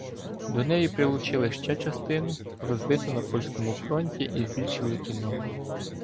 До неї прилучили ще частину, розбиту на польському фронті, і збільшили кінноту.